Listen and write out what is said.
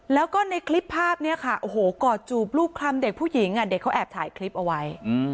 แล้วก็ในคลิปภาพเกาะจูบลูกคล่ำเด็กผู้หญิงเด็กเค้าแอบถ่ายคลิปเอาไว้